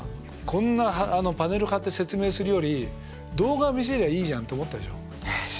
こんなパネル貼って説明するより動画見せりゃいいじゃんって思ったでしょ？